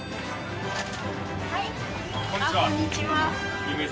はい。